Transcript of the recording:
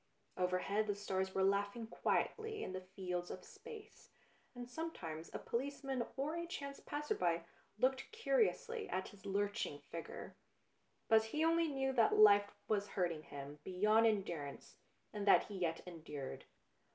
Overhead the stars were laughing quietly in the fields of space, and sometimes a policeman or a chance passer by looked curiously at his BLUE BLOOD 243 lurching figure, but he only knew that life was hurting him beyond endurance, and that he yet endured.